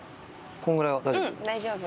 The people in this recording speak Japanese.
こんぐらいは大丈夫？